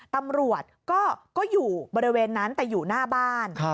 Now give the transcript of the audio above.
ตำรวจก็อยู่บริเวณนั้นแต่อยู่หน้าบ้าน